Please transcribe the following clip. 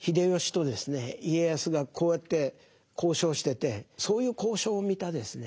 家康がこうやって交渉しててそういう交渉を見たですね